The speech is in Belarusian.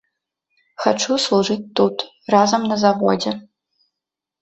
Хачу служыць тут, разам на заводзе!